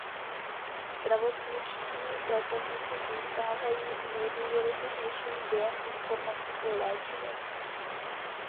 Zdravotničtí pracovníci zůstávají nejdůvěryhodnějším zdrojem informací o léčivech.